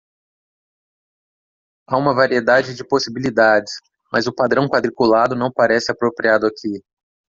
Há uma variedade de possibilidades?, mas o padrão quadriculado não parece apropriado aqui.